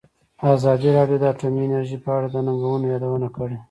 ازادي راډیو د اټومي انرژي په اړه د ننګونو یادونه کړې.